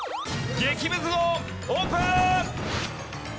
激ムズをオープン！